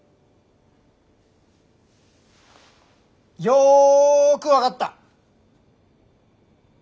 よく分かった。